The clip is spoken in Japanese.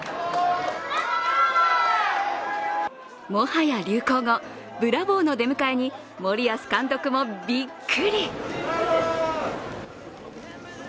もはや流行語、ブラボーの出迎えに森保監督もびっくり。